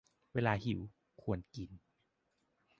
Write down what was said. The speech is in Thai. เวลาหิว ควรกิน